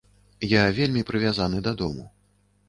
Я вельмі прывязаны да дому.